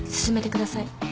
進めてください。